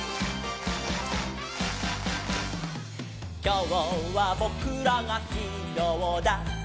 「きょうはぼくらがヒーローだ！」